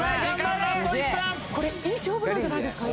これいい勝負なんじゃないですか？